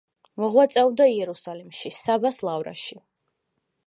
მოღვაწეობდა იერუსალიმში, საბას ლავრაში.